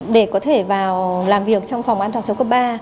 để có thể vào làm việc trong phòng an toàn số cấp ba